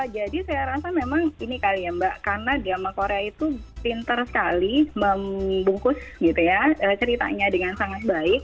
jadi saya rasa memang ini kali ya mbak karena drama korea itu pinter sekali membungkus ceritanya dengan sangat baik